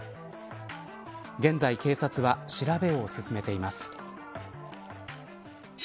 現在警察は、調べを進めています。